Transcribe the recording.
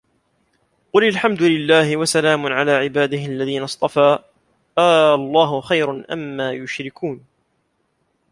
قُلِ الحَمدُ لِلَّهِ وَسَلامٌ عَلى عِبادِهِ الَّذينَ اصطَفى آللَّهُ خَيرٌ أَمّا يُشرِكونَ